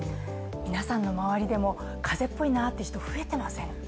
皆さんの周りでも風邪っぽいなっていう人増えてませんか？